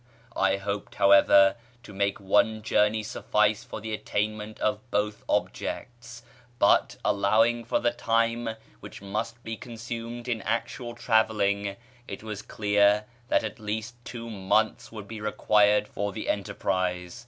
I hoped, however, to make one journey suffice for the attainment of both objects; but, allowing for the time which must be consumed in actual travelling, it was clear that at least two months would be required for the enterprise.